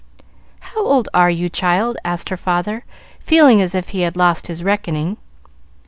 "How old are you, child?" asked her father, feeling as if he had lost his reckoning.